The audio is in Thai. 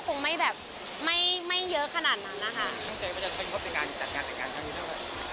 ตั้งใจว่าจะช่วยเข้าไปจัดงานจัดงานจัดงาน